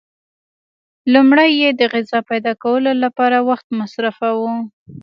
لومړی یې د غذا پیدا کولو لپاره وخت مصرفاوه.